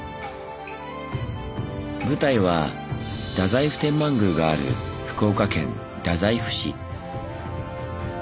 舞台は太宰府天満宮がある福岡県太宰府市。